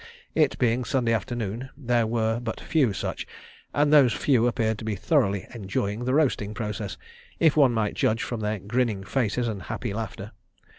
It being Sunday afternoon, there were but few such, and those few appeared to be thoroughly enjoying the roasting process, if one might judge from their grinning faces and happy laughter.